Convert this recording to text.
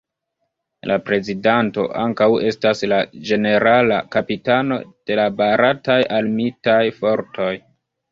La Prezidanto ankaŭ estas la Ĝenerala Kapitano de la Barataj Armitaj Fortoj.